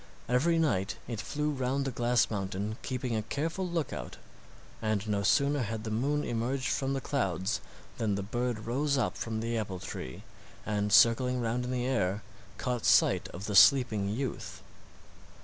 Every night it flew round the glass mountain keeping a careful lookout, and no sooner had the moon emerged from the clouds than the bird rose up from the apple tree, and circling round in the air caught sight of the sleeping youth.